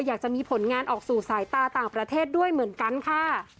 อยากจะมีผลงานออกสู่สายตาต่างประเทศด้วยเหมือนกันค่ะ